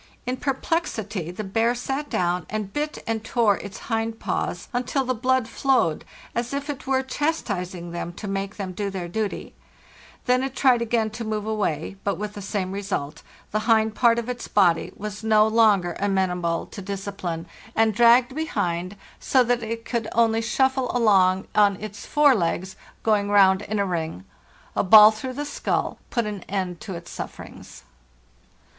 In perplexity the bear sat down, and bit and tore its hind paws until the blood flowed; it was as if it were chastising them to make them do their duty. Then it tried again to move away, but with the same result; the hind part of its body was no longer amenable to disci 384 FARTHEST NORTH pline, and dragged behind, so that it could only shuffle s, going round in a ring. A ball along on its fore legs, ¢ g through the skull put an end to its sufferings.